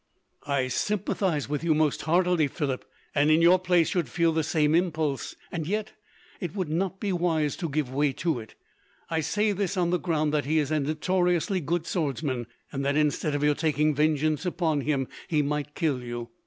"I sympathize with you, most heartily, Philip, and in your place should feel the same impulse; and yet, it would not be wise to give way to it. I say this on the ground that he is a notoriously good swordsman, and that, instead of your taking vengeance upon him, he might kill you.